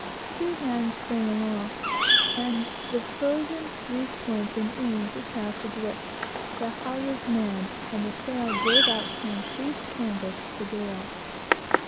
Two hands sprang aloft; the frozen reef points and earings were cast adrift, the halyards manned, and the sail gave out her increased canvas to the gale.